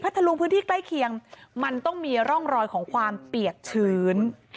ทะลุงพื้นที่ใกล้เคียงมันต้องมีร่องรอยของความเปียกชื้น